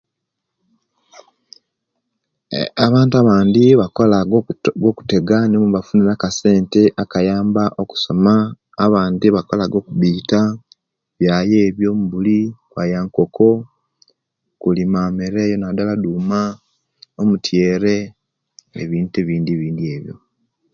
Abantu abandi bakola gwa kutega nimwo omwebafunira akasente akayamba okusoma abandi bakola gwo'kupiita byaayo ebyo mbuli kwaaya nkoko kulima namere nadala duuma omutyere nebintu ebindi bindi ebyo